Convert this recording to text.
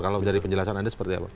kalau dari penjelasan anda seperti apa